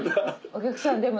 お客さん